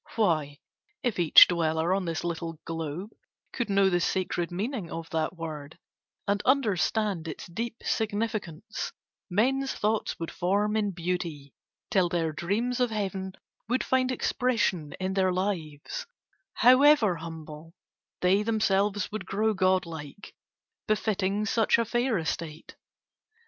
Why, if each dweller on this little globe Could know the sacred meaning of that word And understand its deep significance, Men's thoughts would form in beauty, till their dreams Of heaven would find expression in their lives, However humble; they themselves would grow Godlike, befitting such a fair estate.